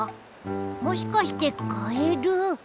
もしかしてカエル？